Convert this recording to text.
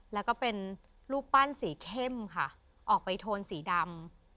แล้วก็เป็นรูปปั้นสีเข้มค่ะออกไปโทนสีดำ